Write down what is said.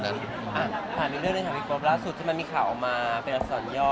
พอล่าสุดที่มันมีข่าวออกมาเป็นลักษณ์ส่วนย่อ